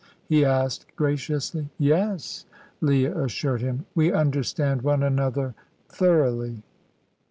he asked graciously. "Yes," Leah assured him; "we understand one another thoroughly."